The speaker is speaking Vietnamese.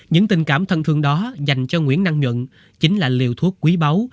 những tình cảm thân thương đó dành cho nguyễn năng nhuận chính là liều thuốc quý báu